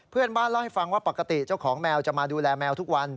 เพื่อนบ้านเล่าให้ฟังว่าปกติเจ้าของแมวจะมาดูแลแมวทุกวัน